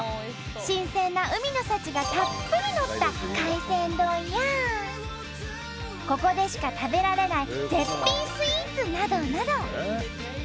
新鮮な海の幸がたっぷりのった海鮮丼やここでしか食べられない絶品スイーツなどなど。